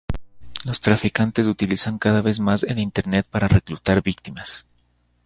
Los traficantes utilizan cada vez más el internet para reclutar víctimas.